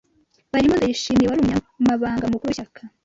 barimo Ndayishimiye, wari Umunyamabanga Mukuru w’ishyaka